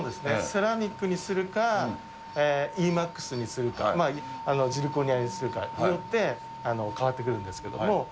セラミックにするか、ｅ．ｍａｘにするか、ジルコニアにするかによって変わってくるんですけども。